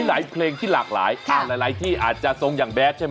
หลายเพลงที่หลากหลายหลายที่อาจจะทรงอย่างแดดใช่ไหม